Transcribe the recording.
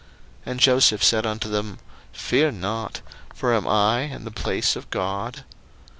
01:050:019 And Joseph said unto them, Fear not: for am I in the place of God?